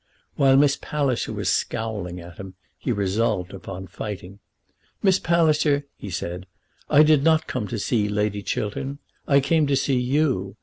While Miss Palliser was scowling at him he resolved upon fighting. "Miss Palliser," he said, "I did not come to see Lady Chiltern; I came to see you.